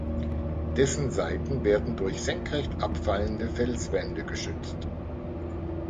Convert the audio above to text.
Dessen Seiten werden durch senkrecht abfallende Felswände geschützt.